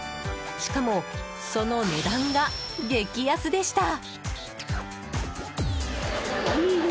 しかも、その値段が激安でした。